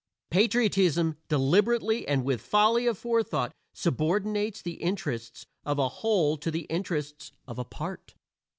Patriotism deliberately and with folly aforethought subordinates the interests of a whole to the interests of a part.